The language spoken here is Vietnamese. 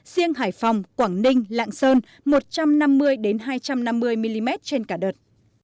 riêng hải phòng quảng ninh lạng sơn một trăm năm mươi hai trăm năm mươi mm trên cả đợt